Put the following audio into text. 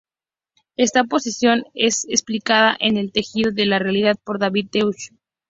Esta posición es explicada en "El Tejido de la Realidad" por David Deutsch.